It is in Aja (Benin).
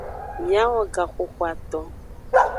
Miawo gaxoxoaton.